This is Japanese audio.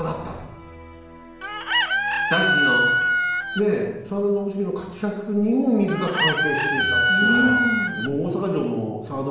ねえ真田信繁の活躍にも水が関係していたっていうのは。